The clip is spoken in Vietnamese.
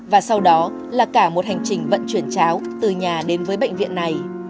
và sau đó là cả một hành trình vận chuyển cháo từ nhà đến với bệnh viện này